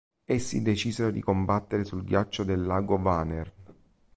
Essi decisero di combattere sul ghiaccio del Lago Vänern.